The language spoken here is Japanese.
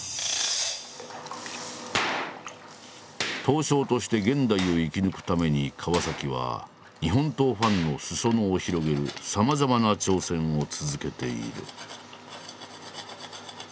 刀匠として現代を生き抜くために川は日本刀ファンの裾野を広げるさまざまな挑戦を続けている。